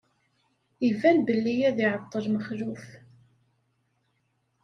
Iban belli ad iɛeṭṭel Mexluf.